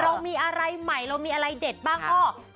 เรามีอะไรใหม่เรามีอะไรเด็ดบ้างพ่อ